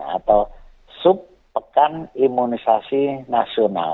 atau sub pekan imunisasi nasional